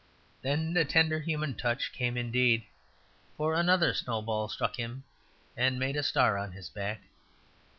Then the tender human touch came indeed; for another snowball struck him, and made a star on his back.